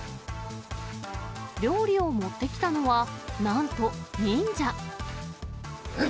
料理を持ってきたのは、なんと忍者。